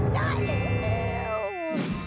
ได้เร็ว